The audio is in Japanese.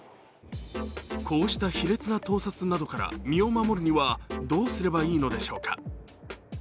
こうした卑劣な盗撮などから身を守るにはどうすればいいのでしょうか。